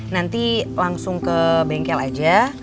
nanti langsung ke bengkel aja